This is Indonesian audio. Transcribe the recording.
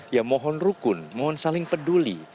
ya mohon rukun mohon saling peduli